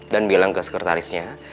dan bilang ke sekretarisnya